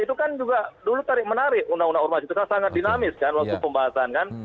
itu kan juga dulu tarik menarik undang undang ormas itu kan sangat dinamis kan waktu pembahasan kan